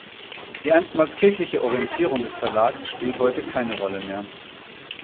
Die einstmals kirchliche Orientierung des Verlags spielt heute keine Rolle mehr.